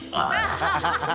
ハハハハッ。